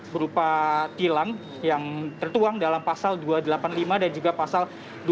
berupa tilang yang tertuang dalam pasal dua ratus delapan puluh lima dan juga pasal dua puluh